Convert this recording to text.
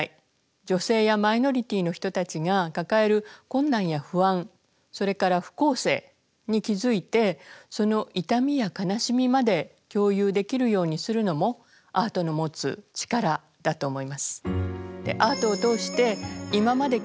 女性やマイノリティーの人たちが抱える困難や不安それから不公正に気づいてその痛みや悲しみまで共有できるようにするのもアートの持つ力だと思います。